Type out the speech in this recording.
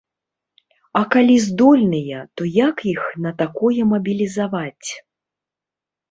А калі здольныя, то як іх на такое мабілізаваць?